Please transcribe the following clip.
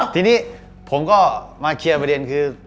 ทีนี้ผมก็มาเคลียร์ประเด็นคือ